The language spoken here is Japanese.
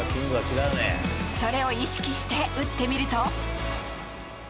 それを意識して打ってみると。